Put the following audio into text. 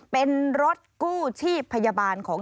เป็นรถกู้ชีพพยาบาลของ